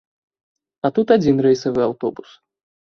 А тут адзін рэйсавы аўтобус.